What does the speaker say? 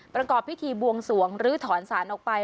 ประกอบพิธีบวงสวงลื้อถอนสารออกไป